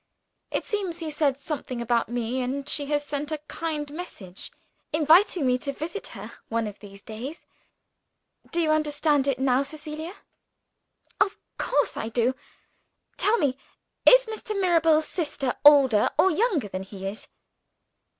It seems he said something about me and she has sent a kind message, inviting me to visit her one of these days. Do you understand it now, Cecilia?" "Of course I do! Tell me is Mr. Mirabel's sister older or younger than he is?"